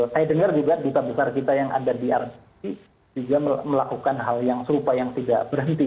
saya dengar juga duta besar kita yang ada di arab saudi juga melakukan hal yang serupa yang tidak berhenti